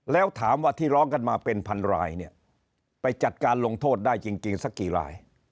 แล้วถามว่าที่ร้องกันมาเป็นพันรายเนี่ยไปจัดการลงโทษได้จริงสักกี่ราย